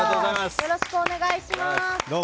よろしくお願いします。